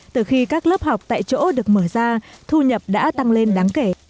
từ khi các lớp học tại chỗ được mở ra thu nhập đã tăng lên đáng kể